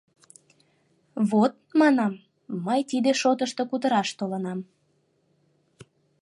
— Вот, — манам, — мый тиде шотышто кутыраш толынам...